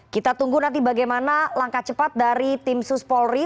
kita tunggu nanti bagaimana langkah cepat dari tim sus polri